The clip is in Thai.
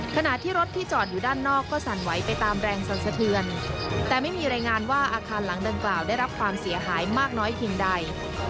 ขณะที่รถที่จอดอยู่ด้านนอกก็สั่นไหวไปตามแรงสรรสะเทือนแต่ไม่มีรายงานว่าอาคารหลังดังกล่าวได้รับความเสียหายมากน้อยเพียงใด